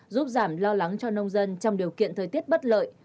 giúp giảm lo lắng cho nông dân trong điều kiện thời tiết bất lợi